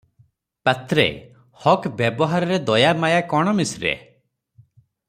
ପାତ୍ରେ- ହକ୍ ବେବହାରରେ ଦୟା ମାୟା କଣ ମିଶ୍ରେ?